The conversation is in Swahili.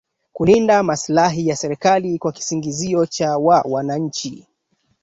kulinda maslahi ya serikali kwa kisingizio cha wa wananchi